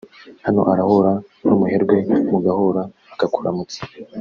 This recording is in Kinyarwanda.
hano urahura n’umuherwe mugahura akakuramutsa